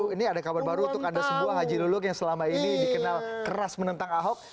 ini ada kabar baru untuk anda sebuah haji lulung yang selama ini dikenal keras menentang ahok